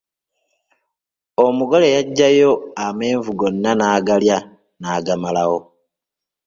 Omugole yajjayo amenvu gonna n'agaalya n'agamalawo.